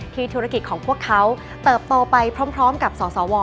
ธุรกิจของพวกเขาเติบโตไปพร้อมกับสสว